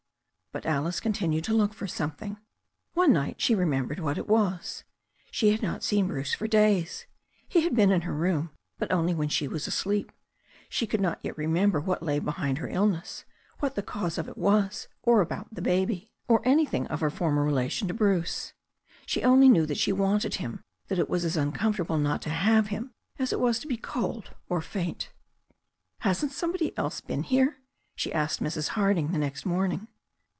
But Alice continued to look for something. One night she remembered what it was. She had not seen Bruce for days. He had been in her room, but only when she was asleep. She could not yet remember what lay behind her illness, what the cause of it was, or about the baby, or anjrthing of her former relation to Bruce. She only knew that she wanted him, that it was as uncomfortable not to have him as it was to be cold or faint. "Hasn't somebody else been here?" she asked Mrs. Hard ing the next morning.